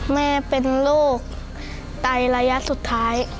แม่เป็นลูกตายระยะสุดท้าย